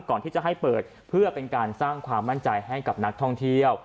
ก่อนที่จะให้เปิดเพื่อเป็นการสร้างความมั่นใจให้กับนักท่องเที่ยว